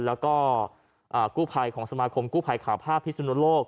แล้วก็กู้ภัยของสมาคมกู้ภัยข่าวภาพพิสุนโลก